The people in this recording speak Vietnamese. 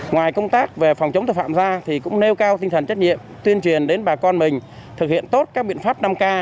ngoài công tác về phòng chống tội phạm ra thì cũng nêu cao tinh thần trách nhiệm tuyên truyền đến bà con mình thực hiện tốt các biện pháp năm k